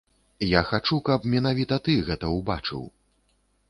Я хачу, каб менавіта ты гэта ўбачыў!